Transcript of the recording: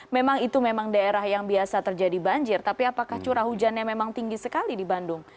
memang itu memang daerah yang biasa terjadi banjir tapi apakah curah hujannya memang tinggi sekali di bandung